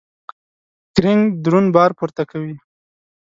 کرینګ درون بار پورته کوي.